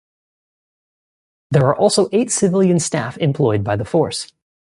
There are also eight civilian staff employed by the force.